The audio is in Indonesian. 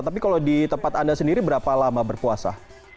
tapi kalau di tempat anda sendiri berapa lama berpuasa